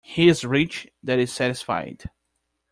He is rich that is satisfied.